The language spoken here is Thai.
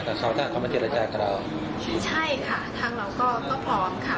แต่เขามาเจรจากับเราใช่ค่ะทางเราก็ก็พร้อมค่ะ